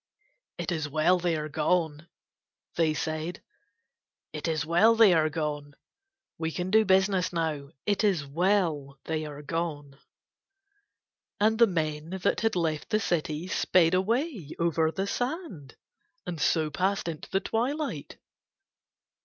"It is well they are gone," they said. "It is well they are gone. We can do business now. It is well they are gone." And the men that had left the city sped away over the sand and so passed into the twilight.